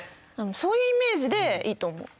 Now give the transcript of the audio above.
そういうイメージでいいと思う。